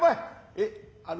えっ？あっ。